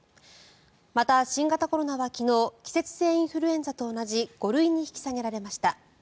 また、新型コロナは昨日季節性インフルエンザと同じ５類に引き下げられました。